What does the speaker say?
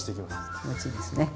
気持ちいいですね。